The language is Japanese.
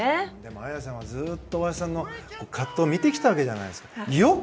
綾さんはずっと大橋さんの葛藤を見てきたわけじゃないですか。